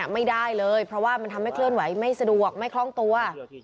ไม่สะดวกไม่คล่องตัว